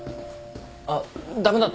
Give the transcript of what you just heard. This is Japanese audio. あっ駄目だった？